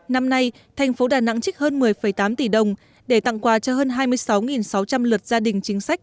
năm nay thành phố đà nẵng trích hơn một mươi tám tỷ đồng để tặng quà cho hơn hai mươi sáu sáu trăm linh lượt gia đình chính sách